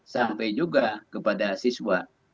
sampai juga kepada siswa